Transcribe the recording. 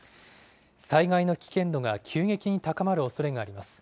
災害の危険度が急激に高まるおそれがあります。